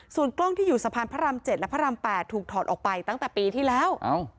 ส่วนกล้องที่อยู่สะพานพระราม๗และพระราม๘ถูกถอดออกไปตั้งแต่ปีที่แล้ว